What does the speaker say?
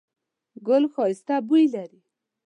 ګل ښایسته بوی لري